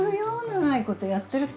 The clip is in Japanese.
長いことやってると。